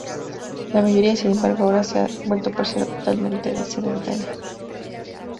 La mayoría, sin embargo, ahora se ha vuelto parcial o totalmente sedentaria.